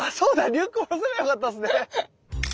リュックを下ろせばよかったっすね。